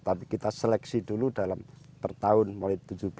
tapi kita seleksi dulu dalam per tahun mulai tujuh belas